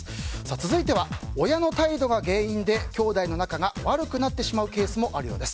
続いては、親の態度が原因できょうだいの仲が悪くなってしまうケースもあるようです。